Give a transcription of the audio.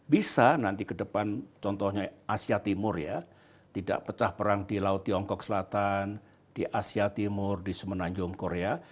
bisa nanti ke depan contohnya asia timur ya tidak pecah perang di laut tiongkok selatan di asia timur di semenanjung korea